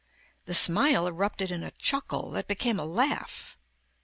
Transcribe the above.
The smile erupted in a chuckle that became a laugh.